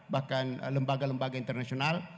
bahkan lembaga lembaga internasional